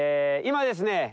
今ですね